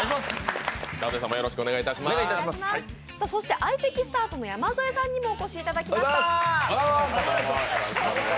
そして相席スタートの山添さんにもお越しいただきました。